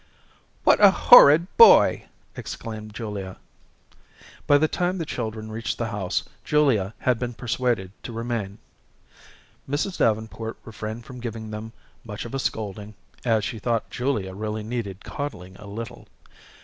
"What a horrid boy," exclaimed Julia. By the time the children reached the house, Julia had been persuaded to remain. Mrs. Davenport refrained from giving them much of a scolding, as she thought Julia really needed coddling a little.